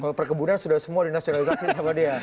kalau perkebunan sudah semua dinasionalisasi sama dia